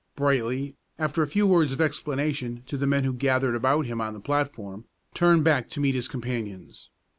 Brightly, after a few words of explanation to the men who gathered about him on the platform, turned back to meet his companions.